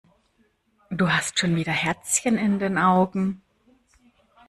Du hast schon wieder Herzchen in den Augen.